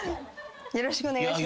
よろしくお願いします。